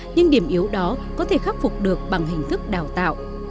nhưng điểm yếu đó có thể khắc phục được bằng hình thức đào tạo